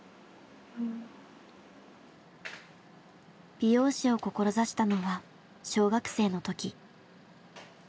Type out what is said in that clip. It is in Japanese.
美容師を志したのは小学生の時。